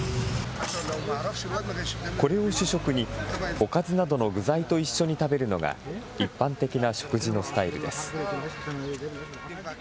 これを主食に、おかずなどの具材と一緒に食べるのが、一般的な食事のスタイルです。